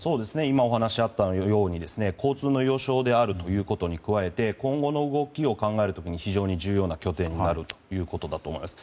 お話があったように交通の要衝であることに加え今後の動きを考える時に重要な拠点になります。